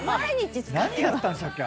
何やったんでしたっけ？